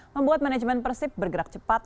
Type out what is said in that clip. membuat manajemen persib bergerak cepat